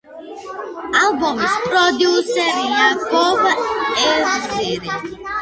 ალბომის პროდიუსერია ბობ ეზრინი.